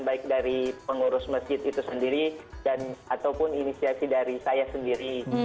baik dari pengurus masjid itu sendiri dan ataupun inisiasi dari saya sendiri